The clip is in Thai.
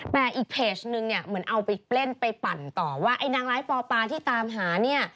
แต่อีกเพจนึงเหมือนเอาไปเปล่นไปปั่นต่อว่านางร้ายป่าที่ตามหา